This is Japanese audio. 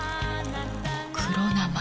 黒生！